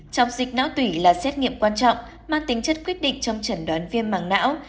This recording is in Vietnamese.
chọc dịch não tủy là xét nghiệm quan trọng mang tính chất quyết định trong trần đoán viêm mẳng não